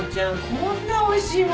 こんなおいしい物